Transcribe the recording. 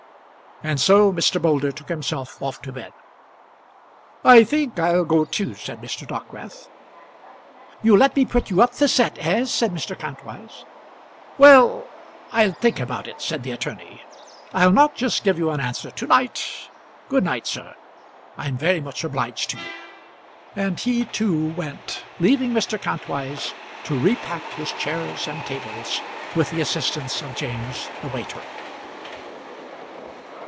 And so Mr. Moulder took himself off to bed. "I think I'll go too," said Mr. Dockwrath. "You'll let me put you up the set, eh?" said Mr. Kantwise. "Well; I'll think about it," said the attorney. "I'll not just give you an answer to night. Good night, sir; I'm very much obliged to you." And he too went, leaving Mr. Kantwise to repack his chairs and tables with the assistance of James the waiter.